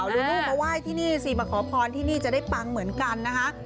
ลูกมาไหว้ที่นี่สิมาขอพรที่นี่จะได้ปังเหมือนกันนะคะ